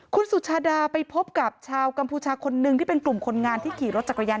คุณสุชาดาไปพบกับชาวกัมพูชาคนนึงที่เป็นกลุ่มคนงานที่ขี่รถจักรยาน